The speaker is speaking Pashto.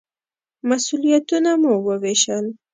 مسوولیتونه مو ووېشل.